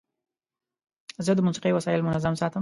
زه د موسیقۍ وسایل منظم ساتم.